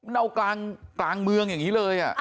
เน่ากลางเมืองอย่างนี้เลยอ่ะ